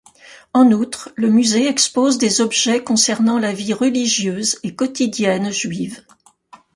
En outre, le musée expose des objets concernant la vie religieuse et quotidienne juive.